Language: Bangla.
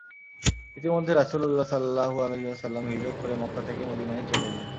ইতিমধ্যে রাসূলুল্লাহ সাল্লাল্লাহু আলাইহি ওয়াসাল্লাম হিজরত করে মক্কা থেকে মদীনায় চলে এলেন।